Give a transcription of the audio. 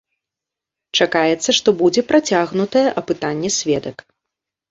Чакаецца, што будзе працягнутае апытанне сведак.